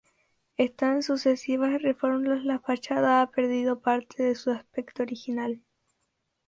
En las sucesivas reformas la fachada ha perdido parte de su aspecto original.